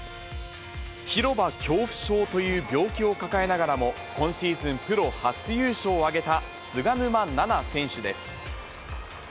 広場恐怖症という病気を抱えながらも、今シーズンプロ初優勝を挙げた菅沼菜々選手です。